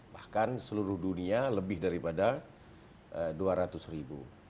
bahkan seluruh dunia lebih daripada dua ratus ribu